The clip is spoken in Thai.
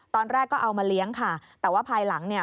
ตอนแรกก็เอามาเลี้ยงค่ะแต่ว่าภายหลังเนี่ย